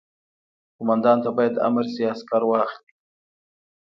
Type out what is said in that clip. قوماندان ته باید امر شي عسکر واخلي.